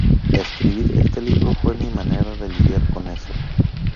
Escribir este libro fue mi manera de lidiar con eso.